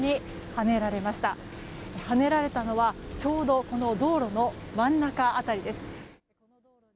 はねられたのは、ちょうど道路の真ん中辺りです。